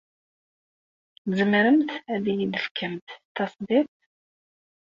Tzemremt ad iyi-d-tefkemt tasdidt?